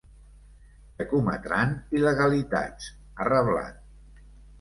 Que cometran il·legalitats, ha reblat.